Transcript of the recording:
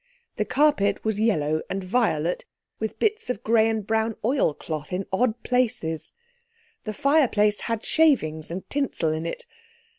The carpet was yellow, and violet, with bits of grey and brown oilcloth in odd places. The fireplace had shavings and tinsel in it.